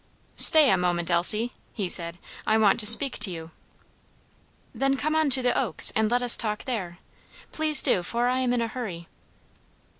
"Stay a moment, Elsie," he said, "I want to speak to you." "Then come on to the Oaks, and let us talk there; please do, for I am in a hurry."